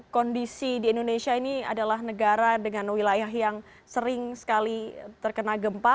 kondisi di indonesia ini adalah negara dengan wilayah yang sering sekali terkena gempa